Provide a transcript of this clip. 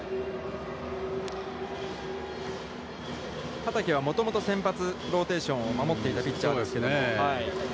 畠は、もともと先発ローテーションを守っていたピッチャーですけれども。